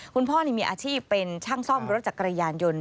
คุณพ่อมีอาชีพเป็นช่างซ่อมรถจักรยานยนต์